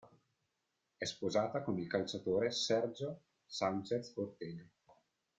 È sposata con il calciatore Sergio Sánchez Ortega.